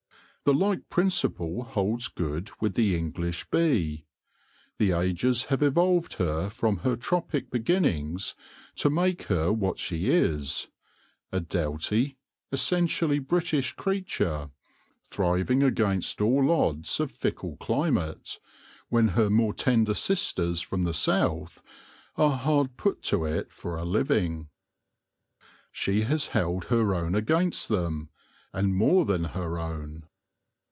The like principle holds good with the English bee. The ages have evolved her from her tropic beginnings to make her what she is — a doughty, essentially British creature, thriving against all odds of fickle climate, when her more tender sisters from the south are hard put to it for a living. She has held her own against them, and more than her own.